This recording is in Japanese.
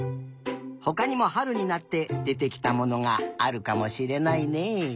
ほかにもはるになってでてきたものがあるかもしれないね。